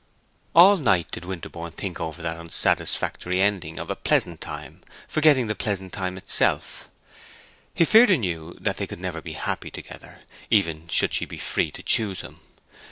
All night did Winterborne think over that unsatisfactory ending of a pleasant time, forgetting the pleasant time itself. He feared anew that they could never be happy together, even should she be free to choose him.